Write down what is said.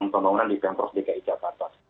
pembangunan di pemprov dki jakarta